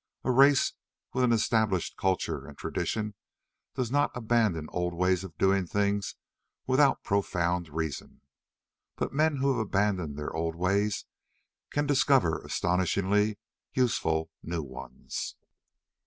A race with an established culture and tradition does not abandon old ways of doing things without profound reason. But men who have abandoned their old ways can discover astonishingly useful new ones.